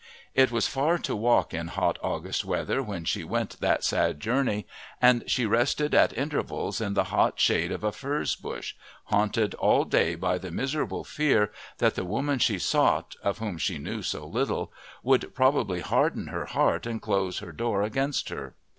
It was far to walk in hot August weather when she went that sad journey, and she rested at intervals in the hot shade of a furze bush, haunted all day by the miserable fear that the woman she sought, of whom she knew so little, would probably harden her heart and close her door against her.